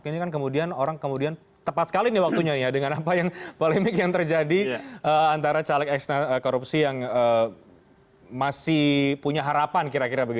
ini kan kemudian orang kemudian tepat sekali nih waktunya ya dengan apa yang polemik yang terjadi antara caleg eks korupsi yang masih punya harapan kira kira begitu